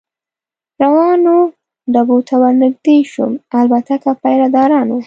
روانو ډبو ته ور نږدې شوم، البته که پیره دارانو.